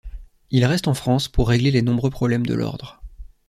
Il reste en France pour régler les nombreux problèmes de l'Ordre.